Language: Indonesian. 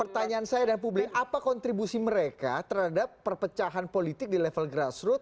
pertanyaan saya dan publik apa kontribusi mereka terhadap perpecahan politik di level grassroot